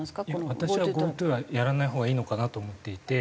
私はＧｏＴｏはやらないほうがいいのかなと思っていて。